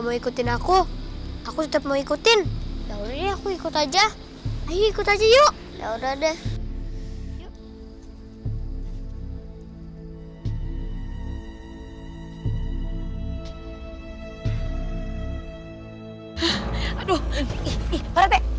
mau ikutin aku aku tetap mau ikutin ya udah aku ikut aja ikut aja yuk ya udah